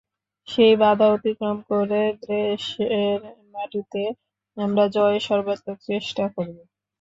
সেই বাধা অতিক্রম করে দেশের মাটিতে আমরা জয়ের সর্বাত্মক চেষ্টা করব।